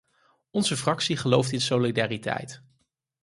Onze fractie gelooft in solidariteit.